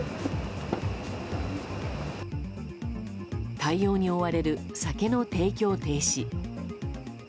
対応に追われる酒の提供停止。